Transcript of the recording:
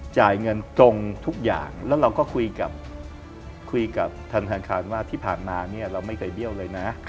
จ่ายเงินตรงทุกอย่างแล้วเราก็คุยกับคุยกับธนาคารว่าที่ผ่านมาเนี่ยเราไม่เคยเบี้ยวเลยนะ